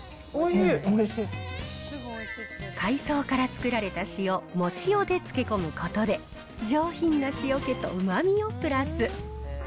海藻から作られた塩、藻塩で漬け込むことで、上品な塩気とうまみをプラス。